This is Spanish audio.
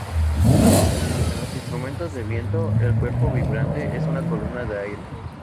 En los instrumentos de viento, el "cuerpo vibrante" es una columna de aire.